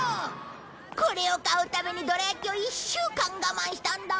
これを買うためにどら焼きを１週間我慢したんだ。